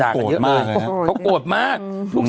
เจเรงเจเรง